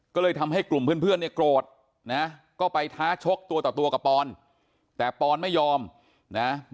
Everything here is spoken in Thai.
ก็เลยทำให้กลุ่มเพื่อนเนี่ยโกรธนะก็ไปท้าชกตัวต่อตัวกับปอนแต่ปอนไม่ยอมนะ